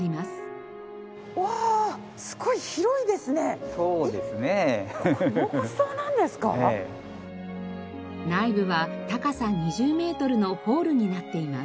内部は高さ２０メートルのホールになっています。